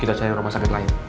kita cari rumah sakit lain